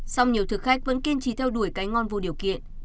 song nhiều thực khách vẫn kiên trì theo đuổi cái ngon vô điều kiện